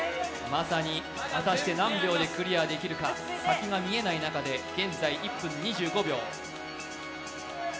果たして何秒でクリアできるか、先が見えない中で現在１分２５秒。